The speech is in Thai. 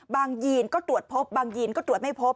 ยีนก็ตรวจพบบางยีนก็ตรวจไม่พบ